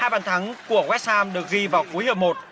hai bàn thắng của west ham được ghi vào cuối hợp một